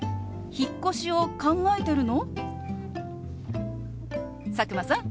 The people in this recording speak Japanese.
引っ越しを考えてるの？